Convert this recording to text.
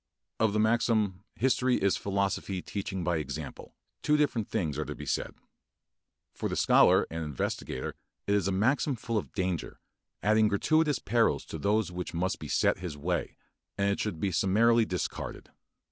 Of the maxim, "history is philosophy teaching by example," two different things are to be said. For the scholar and investigator it is a maxim full of danger, adding gratuitous perils to those which must beset his way, and it should be summarily discarded.